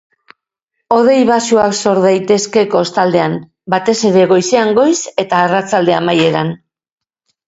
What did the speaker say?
Hodei baxuak sortu daitezke kostaldean, batez ere goizean goiz eta arratsalde amaieran.